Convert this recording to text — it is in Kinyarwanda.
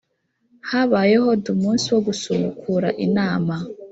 habayeho dumunsi wo gusubukura inama